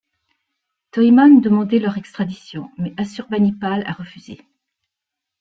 Teumman demandé leur extradition, mais Assurbanipal a refusé.